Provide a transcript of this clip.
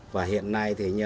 và hiện nay tôi đã cứu